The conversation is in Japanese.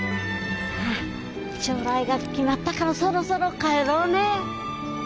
さ将来が決まったからそろそろ帰ろうねえ。